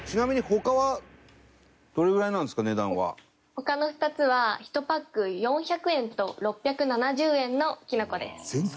他の２つは１パック４００円と６７０円のきのこです。